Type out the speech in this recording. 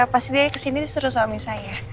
pasti dia kesini disuruh suami saya